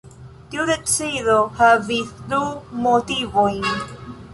Tiu decido havis du motivojn.